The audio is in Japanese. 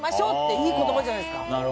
いい言葉じゃないですか？